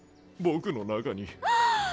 僕の中に。